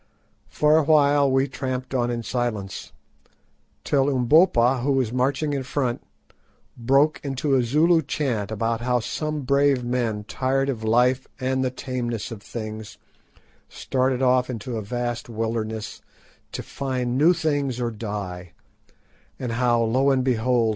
For a while we tramped on in silence, till Umbopa, who was marching in front, broke into a Zulu chant about how some brave men, tired of life and the tameness of things, started off into a vast wilderness to find new things or die, and how, lo and behold!